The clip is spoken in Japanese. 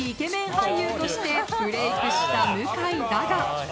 俳優としてブレークした向井だが。